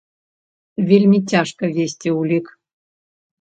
Вельмі цяжка весці ўлік.